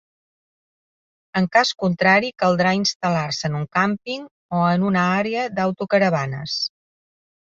En cas contrari, caldrà instal·lar-se en un càmping o en una àrea d'autocaravanes.